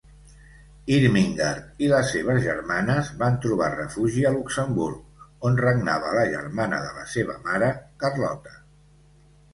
Irmingard i les seves germanes van trobar refugi a Luxemburg, on regnava la germana de la seva mare, Carlota.